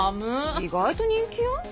意外と人気よ。